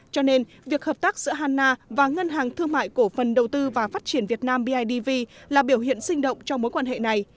cho nên việc hợp tác giữa hanna và ngân hàng thương mại cổ phần đầu tư và phát triển việt nam bidv là biểu hiện sinh động cho mối quan hệ này